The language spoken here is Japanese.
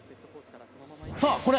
さぁこれ！